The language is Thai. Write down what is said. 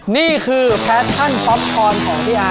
นี่คือแฟทชั่นป๊อปคอร์นของพี่ไอ้